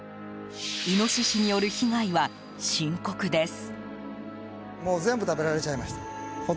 イノシシによる被害は深刻です。